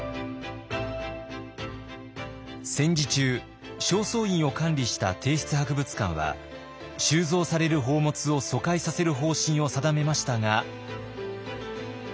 戦時中正倉院を管理した帝室博物館は収蔵される宝物を疎開させる方針を定めましたが。